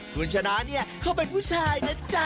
คุณชนะเนี่ยเขาเป็นผู้ชายนะจ๊ะ